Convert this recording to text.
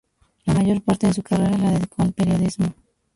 La mayor parte de su carrera la dedicó al periodismo.